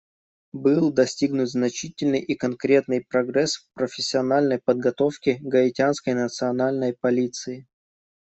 Был достигнут значительный и конкретный прогресс в профессиональной подготовке Гаитянской национальной полиции.